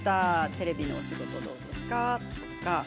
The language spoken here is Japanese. テレビのお仕事どうですか、とか。